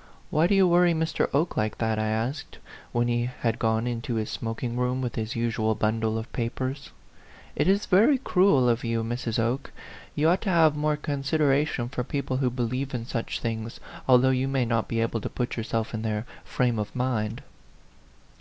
" Why do you worry Mr. Oke like that ?" I asked, when he had gone into his smoking room with his usual bundle of papers. "It is very cruel of you, Mrs. Oke. You ought to have more consideration for people who believe in such things, although you may not be able to put yourself in their frame of mind."